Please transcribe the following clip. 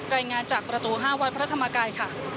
รายงานจากประตู๕วัดพระธรรมกายค่ะ